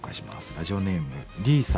ラジオネームリイさん。